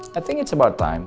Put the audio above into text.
saya pikir sudah tiba tiba